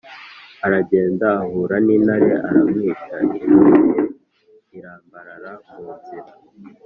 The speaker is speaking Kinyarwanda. Aragenda ahura n’intare iramwica, intumbi ye irambarara mu nzira